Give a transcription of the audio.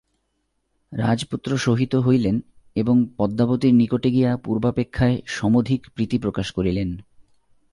রাজপুত্র সহিত হইলেন এবং পদ্মাবতীর নিকটে গিয়া পূর্বাপেক্ষায় সমধিক প্রীতি প্রকাশ করিলেন।